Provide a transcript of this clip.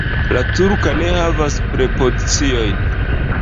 La turka ne havas prepoziciojn.